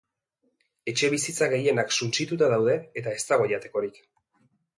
Etxebizitza gehienak suntsituta daude eta ez dago jatekorik.